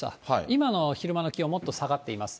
今の昼間の気温はもっと下がっています。